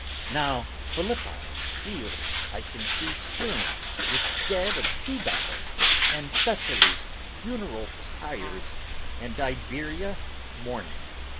Now Philippi's field I can see strewn with dead of two battles And Thessaly's funeral pyres and Iberia mourning.